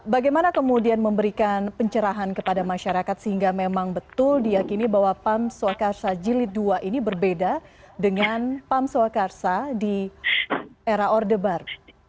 bagaimana kemudian memberikan pencerahan kepada masyarakat sehingga memang betul diakini bahwa pamsuakarsa jilid ii ini berbeda dengan pamsuakarsa di era ordebar